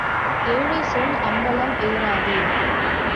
ஏழை சொல் அம்பலம் ஏறாது.